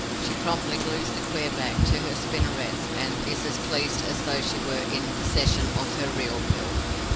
She promptly glues the queer bag to her spinnerets and is as pleased as though she were in possession of her real pill.